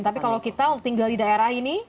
tapi kalau kita tinggal di daerah ini